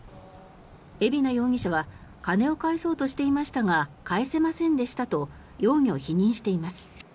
海老名容疑者は金を返そうとしていましたが返せませんでしたと容疑を否認しています。